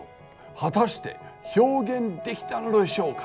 果たして表現できたのでしょうか。